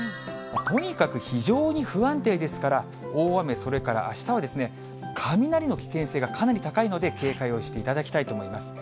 とにかく非常に不安定ですから、大雨、それからあしたは雷の危険性がかなり高いので、警戒をしていただきたいと思います。